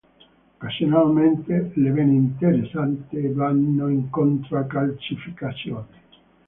Occasionalmente le vene interessate vanno incontro a calcificazione.